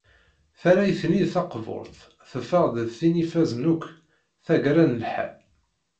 Tarrayt-nni taqburt teffeɣ-d d tin i ifazen akk, tagara n lḥal.